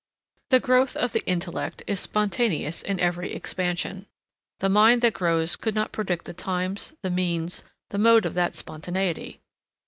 The growth of the intellect is spontaneous in every expansion. The mind that grows could not predict the times, the means, the mode of that spontaneity.